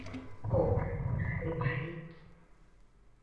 ওহ, না রে ভাই।